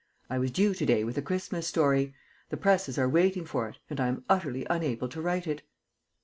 I was due to day with a Christmas story. The presses are waiting for it, and I am utterly unable to write it."